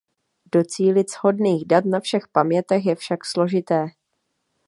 Docílit shodných dat na všech pamětech je však složité.